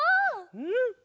うん！